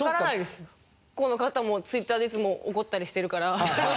この方もＴｗｉｔｔｅｒでいつも怒ったりしてるから。